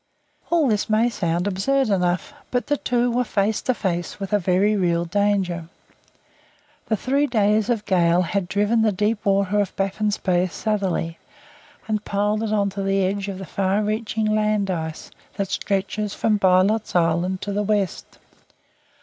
All this may sound absurd enough, but the two were face to face with a very real danger. The three days' gale had driven the deep water of Baffin's Bay southerly, and piled it on to the edge of the far reaching land ice that stretches from Bylot's Island to the west.